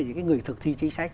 những người thực thi chính sách